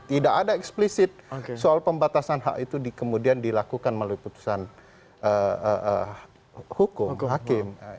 tidak ada eksplisit soal pembatasan hak itu kemudian dilakukan melalui putusan hakim